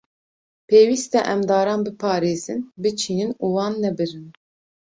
Pêwîst e em daran biparêzin, biçînin û wan nebirin.